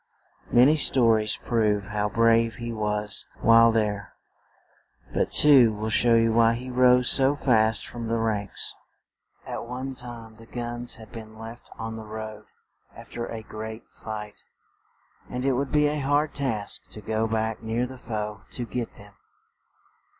Many sto ries prove how brave he was while there; but two will show you why he rose so fast from the ranks. At one time the guns had been left on the road, af ter a great fight; and it would be a hard task to go back near the foe to get them.